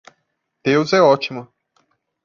Deus é ótimo.